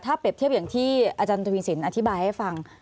ถ้าเปรียบเทียบอย่างที่อาจารย์ทวีสินอธิบายให้ฟัง